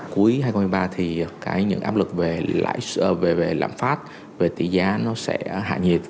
cuối hai nghìn một mươi ba thì những áp lực về lãi xuất về lãm phát về tỷ giá nó sẽ hạ nhiệt